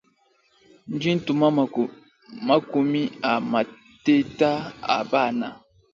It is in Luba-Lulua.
Ndi ntuta makumi a mateta abana.